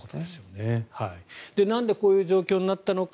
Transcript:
なんでこういう状況になったのか。